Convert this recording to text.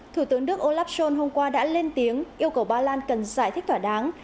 thủ tướng đức olaf schol hôm qua đã lên tiếng yêu cầu ba lan cần giải thích thỏa đáng